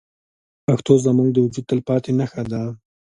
پښتو زموږ د وجود تلپاتې نښه ده.